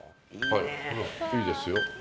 はいいいですよ。